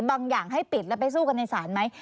อย่างให้ปิดแล้วไปสู้กันในศาลไหม